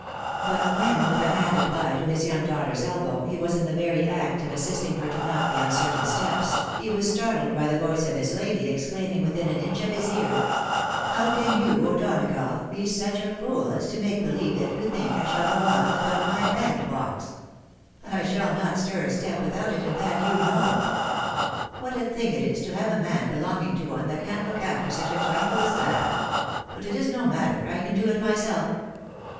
But when, with a hand apphed to his young daughter's elbow, he was in the very act of assisting her to mount the uncertain steps, he was startled by the voice of his lady, exclaiming witliin an inch of his ear, " How can you, O'Donagough, be such a fool as to make believe that you think I shall go off without my bandbox ? I shall not stir a step without it, and that you know. What a thing it is to have a man belonging to one that can't look after such a trifle as that ! But it is no matter. I can do it myself!